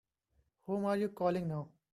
Whom are you calling now?